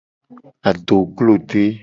Adoglode.